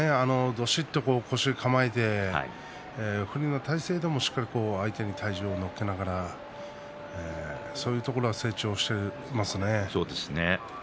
どしっと腰を構えて不利な体勢でもしっかり相手に体重を乗っけながらそういうところはそうですね。